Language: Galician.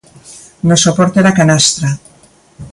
No soporte da canastra.